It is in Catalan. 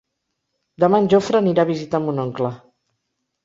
Demà en Jofre anirà a visitar mon oncle.